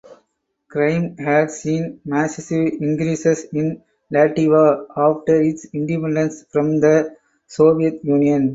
Crime had seen massive increases in Latvia after its independence from the Soviet Union.